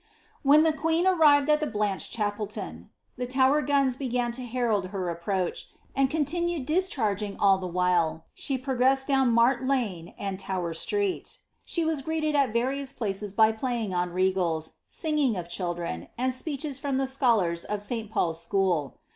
When the queen arrived at the Blanch Chapelton, the Tower guns began to herald her approach, and continued discharging all the while «he progressed down Mart Lane and Tower Street ; she was greeted at various places by playing on regals, singing of children, and speeches from the scholars of Saint Paul's School.